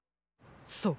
そう！